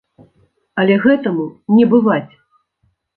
Але гэтаму не бываць!